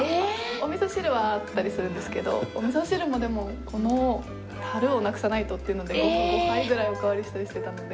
おみそ汁はあったりするんですけどおみそ汁もでもこのタルをなくさないとっていうので５杯ぐらいおかわりしたりしてたので。